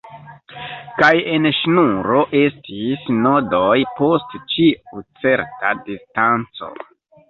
Kaj en ŝnuro estis nodoj post ĉiu certa distanco.